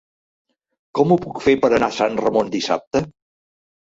Com ho puc fer per anar a Sant Ramon dissabte?